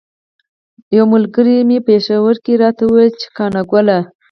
یوه ملګري مې په پیښور کې راته ویل چې قانه ګله.